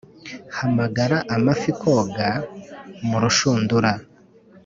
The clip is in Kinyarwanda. hamagara amafi koga murushundura,